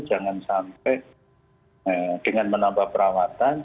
jangan sampai dengan menambah perawatan